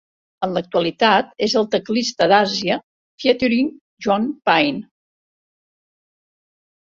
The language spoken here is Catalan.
En l'actualitat és el teclista d'Asia Featuring John Payne.